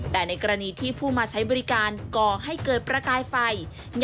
แต่ในกรณีที่ผู้มาใช้บริการก่อให้เกิดประกายไฟ